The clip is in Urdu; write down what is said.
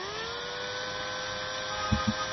میں آپ کو حوالات میں بند کروا دوں گا